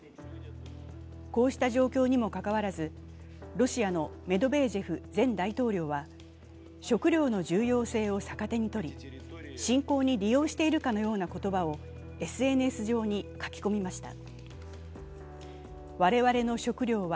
こうした状況にもかかわらずロシアのメドベージェフ前大統領は食料の重要性を逆手にとり侵攻に利用しているかのような言葉をＳＮＳに書き込みました。